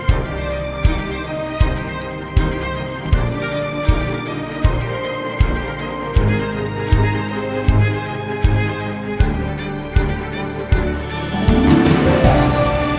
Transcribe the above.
aku masih bermain